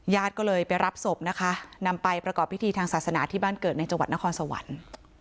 ญาติก็เลยไปรับศพนะคะนำไปประกอบพิธีทางศาสนาที่บ้านเกิดในจังหวัดนครสวรรค์